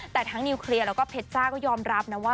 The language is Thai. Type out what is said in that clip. แต่ทั้งนิวเคลียร์แล้วก็เพชรจ้าก็ยอมรับนะว่า